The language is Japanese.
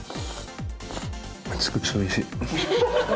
めちゃくちゃおいしい。